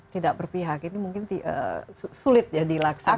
tidak berpihak ini mungkin sulit ya dilaksanakan